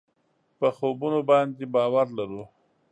په خوبونو باندې باور لرو.